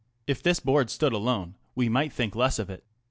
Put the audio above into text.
If this Board stood alone we might think less of it.